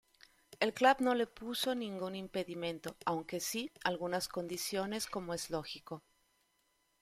El club no le puso ningún impedimento, aunque sí algunas condiciones, como es lógico.